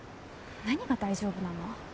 何が大丈夫なの？